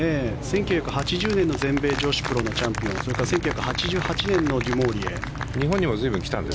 １９８０年の全米女子プロのチャンピオンそれから１９８８年のデュモーリエ。